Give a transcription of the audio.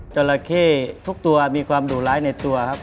จราเข้ทุกตัวมีความดุร้ายในตัวครับ